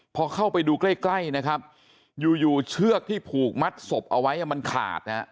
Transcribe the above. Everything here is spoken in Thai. พอเข้าไปดูใกล้ใกล้นะครับอยู่เชือกที่ผูกมัดศพเอาไว้มันขาดนะฮะ